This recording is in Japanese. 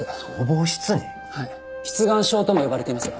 はい失顔症とも呼ばれています。